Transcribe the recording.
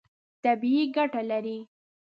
طبیعي ګټه لري.